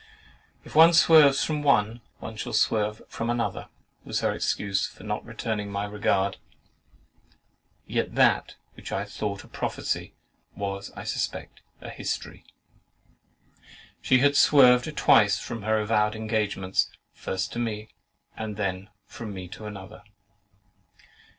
"If one swerves from one, one shall swerve from another"—was her excuse for not returning my regard. Yet that which I thought a prophecy, was I suspect a history. She had swerved twice from her avowed engagements, first to me, and then from me to another.